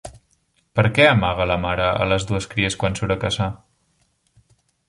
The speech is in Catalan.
Per què amaga la mare a les dues cries quan surt a caçar?